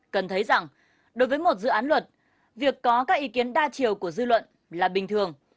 cần thấy rằng đối với một dự án luật việc có các ý kiến đa chiều của dư luận là bình thường